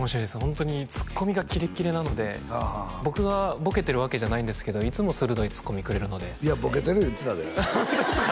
ホントにツッコミがキレッキレなので僕がボケてるわけじゃないんですけどいつも鋭いツッコミくれるのでいやボケてる言うてたでホントですか？